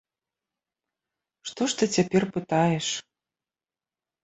Што ж ты цяпер пытаеш!